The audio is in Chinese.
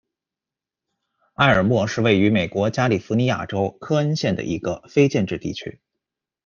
埃尔莫是位于美国加利福尼亚州克恩县的一个非建制地区。